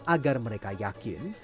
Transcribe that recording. agar mereka yakin